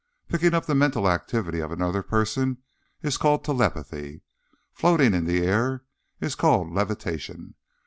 Picking up the mental activity of another person is called telepathy. Floating in the air is called levitation.